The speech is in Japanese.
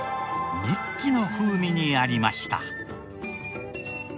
ニッキの風味にありました。